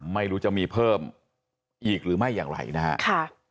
ไม่รู้จะมีเพิ่มอีกหรือไม่อย่างไรนะฮะ